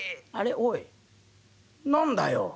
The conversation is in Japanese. おい何だよ。